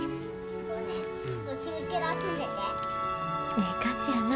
ええ感じやな。